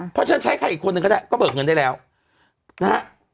เพราะฉันใช้ใครอีกคนหนึ่งก็ได้ก็เบิกเงินได้แล้วนะฮะ